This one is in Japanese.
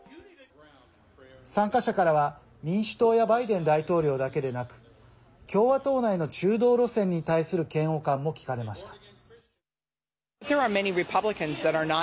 参加者からは、民主党やバイデン大統領だけでなく共和党内の中道路線に対する嫌悪感も聞かれました。